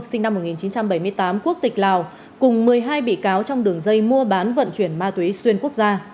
sinh năm một nghìn chín trăm bảy mươi tám quốc tịch lào cùng một mươi hai bị cáo trong đường dây mua bán vận chuyển ma túy xuyên quốc gia